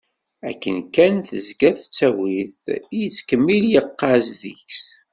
Akken kan tezga tettagi-t i yettkemmil yeɣɣaz deg-s.